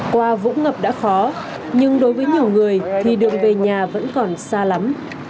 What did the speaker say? qua vũng ngập đã khó nhưng đối với nhiều người thì đường về nhà vẫn còn xa lắm